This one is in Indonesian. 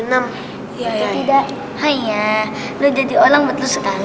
haiya kamu jadi orang betul sekali